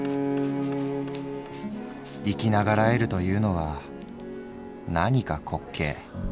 「生き長らえるというのはなにか滑稽」。